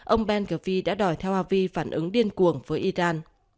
ông ben ghvi đã đòi theo avi phản ứng điên cuồng với iran